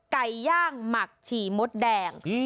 ไก่ย่างหมักฉี่มดแดง